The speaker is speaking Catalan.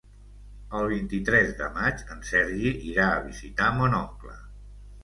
El vint-i-tres de maig en Sergi irà a visitar mon oncle.